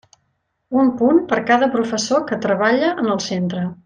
Un punt per cada professor que treballe en el centre.